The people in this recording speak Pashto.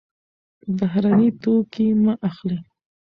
بهرني توکي مه اخلئ.